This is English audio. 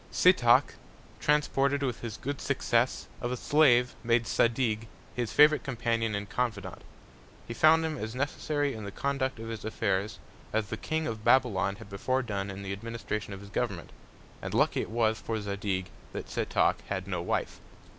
Setoc, transported with his good Success, of a Slave made Zadig his Favourite Companion and Confident; he found him as necessary in the Conduct of his Affairs, as the King of Babylon had before done in the Administration of his Government; and lucky it was for Zadig that Setoc had no Wife.